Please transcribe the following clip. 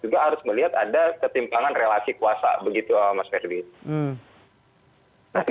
juga harus melihat ada ketimpangan relasi kuasa begitu mas ferdi